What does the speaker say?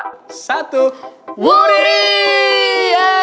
kau berhantu mendapatkan hadiahnya